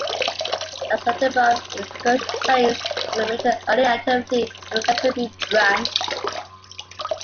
As noted above, excursion trains were a major early activity of the Canterbury Branch.